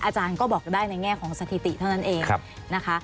อาจารย์ก็บอกได้ในแง่ของสถิติเท่านั้นเองนะคะ